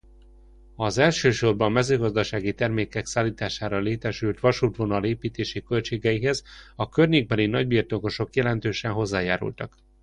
Az elsősorban mezőgazdasági termékek szállítására létesült vasútvonal építési költségeihez a környékbeli nagybirtokosok jelentősen hozzájárultak.